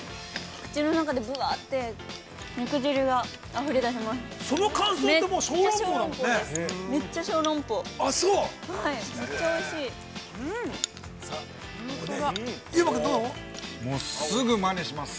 ◆口の中でぶわって、肉汁があふれ出します。